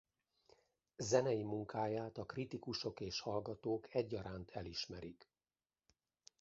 Zenei munkáját a kritikusok és hallgatók egyaránt elismerik.